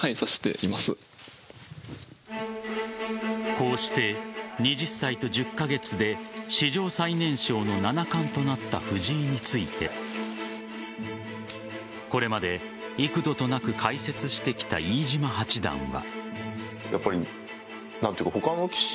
こうして２０歳と１０カ月で史上最年少の七冠となった藤井についてこれまで幾度となく解説してきた飯島八段は。